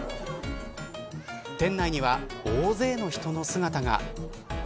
店内には、大勢の人の姿が。